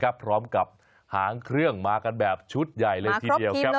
พร้อมกับหางเครื่องมากันแบบชุดใหญ่เลยทีเดียวครับ